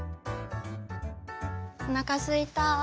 おなかすいた。